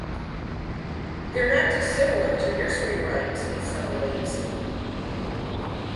They’re not dissimilar to nursery rhymes in some ways.